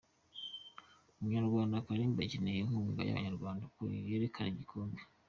Umunyarwanda Kalimba akeneye inkunga y’Abanyarwanda ngo yegukane igikombe